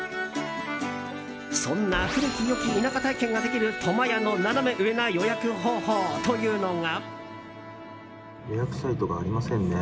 そんな古き良き田舎体験をできる苫屋のナナメ上な予約方法というのが。